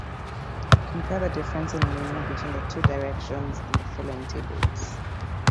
Compare the difference in meaning between the two directions in the following tables.